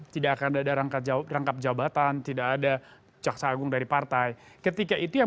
tidak akan ada rangka jawab rangkap jabatan tidak ada jaksa agung dari partai ketika itu yang